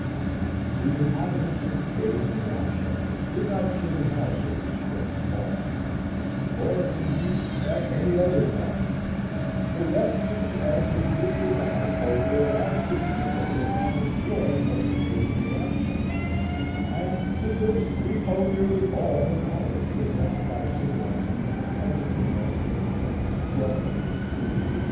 The inhabitants of the caves and rock shelters did not clean house every spring and fall, or, indeed, at any other time; the refuse and debris of the household were allowed to accumulate upon the floors of the caves and rock shelters, and to this we owe nearly all the knowledge possessed by civilized man of the domestic arts, weapons, food, etc.